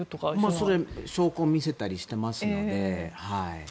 それは証拠を見せたりしていますので。